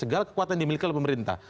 segala kekuatan yang dimiliki oleh pemerintah